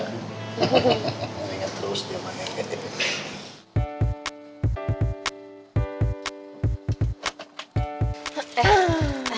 nginget terus dia man